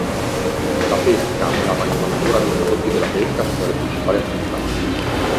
La pesca e la manifattura dei prodotti della pesca sono le principali attività.